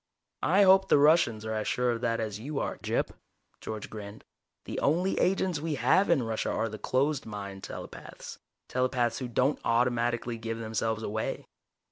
"I hope the Russians are as sure of that as you are, Gyp," George grinned. "The only agents we have in Russia are closed mind telepaths telepaths who don't automatically give themselves away.